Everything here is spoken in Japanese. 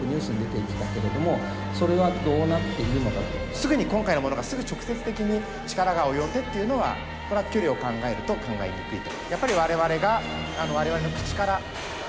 すぐに今回のものがすぐ直接的に力が及んでというのはこれは距離を考えると考えにくいと。